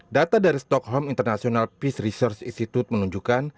data dari stockholm international peace research institute menunjukkan